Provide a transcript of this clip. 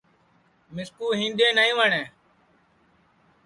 مِسکُو ہِینڈؔے نائیں وٹؔیں